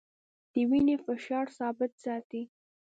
د وینې فشار ثابت ساتي.